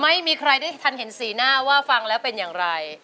ไม่มีใครได้ทันเห็นสีหน้าว่าฟังแล้วเป็นอย่างไร